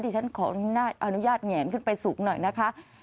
ที่ฉันขออนุญาตแหงขึ้นไปสูงหน่อยนะคะ